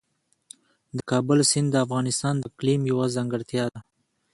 د کابل سیند د افغانستان د اقلیم یوه ځانګړتیا ده.